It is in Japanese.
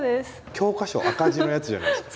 教科書赤字のやつじゃないですか。